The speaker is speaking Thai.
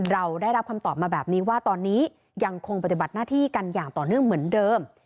เราได้รับคำตอบมาแบบนี้ว่าตอนนี้ยังคงปฏิบัติหน้าที่กันอย่างต่อเนื่องเหมือนเดิม